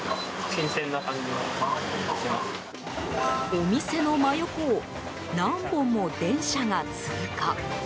お店の真横を何本も電車が通過。